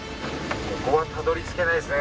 ここはたどり着けないですね